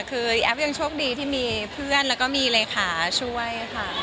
คือแอฟยังโชคดีที่มีเพื่อนแล้วก็มีเลขาช่วยค่ะ